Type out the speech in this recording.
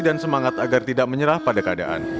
dan semangat agar tidak menyerah pada keadaan